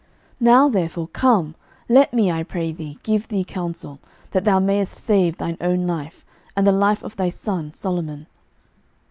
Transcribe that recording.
11:001:012 Now therefore come, let me, I pray thee, give thee counsel, that thou mayest save thine own life, and the life of thy son Solomon.